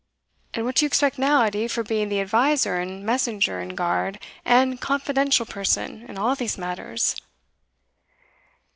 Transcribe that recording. "And what do you expect now, Edie, for being the adviser, and messenger, and guard, and confidential person in all these matters?"